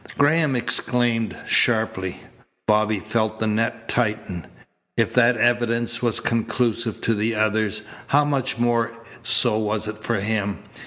Graham exclaimed sharply. Bobby felt the net tighten. If that evidence was conclusive to the others, how much more so was it for him!